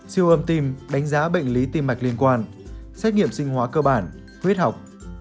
siêu âm tim đánh giá bệnh lý tim mạch liên quan xét nghiệm sinh hóa cơ bản huyết học